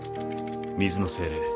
水の精霊